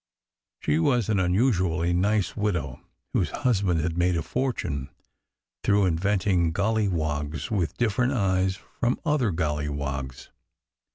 She was an unusually nice widow, whose husband had made a fortune through inventing gollywogs with different eyes from other gollywogs.